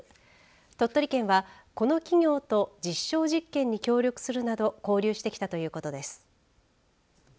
鳥取県はこの企業と実証実験に協力するなど交流してきたということです。